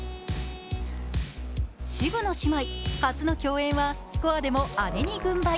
渋野姉妹、初の共演はスコアでも姉に軍配。